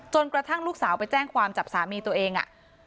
กระทั่งลูกสาวไปแจ้งความจับสามีตัวเอง